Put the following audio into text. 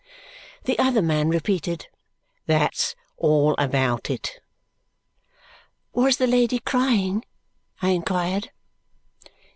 The other man repeated, "That's all about it." "Was the lady crying?" I inquired.